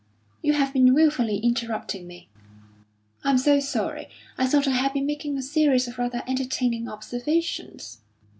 "You have been wilfully interrupting me." "I'm so sorry. I thought I had been making a series of rather entertaining observations."